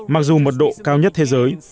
mặc dù mật độ cao nhất thế giới